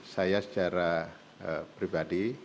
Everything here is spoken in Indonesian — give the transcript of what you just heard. saya secara pribadi